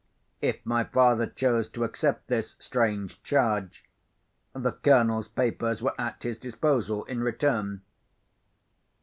If my father chose to accept this strange charge, the Colonel's papers were at his disposal in return.